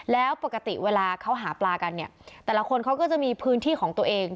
แล้วปกติเวลาเขาหาปลากันเนี่ยแต่ละคนเขาก็จะมีพื้นที่ของตัวเอง